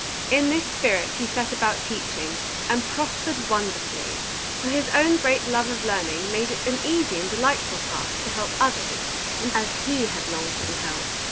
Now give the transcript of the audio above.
In this spirit he set about teaching, and prospered wonderfully, for his own great love of learning made it an easy and delightful task to help others as he had longed to be helped.